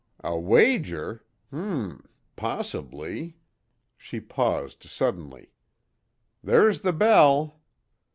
"A wager? H m! Possibly." She paused suddenly. "There's the bell."